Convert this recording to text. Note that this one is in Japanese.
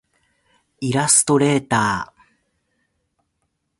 イラストレーター